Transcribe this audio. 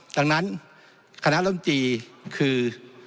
ดังนั้นคณะรัฐบนตรีคือ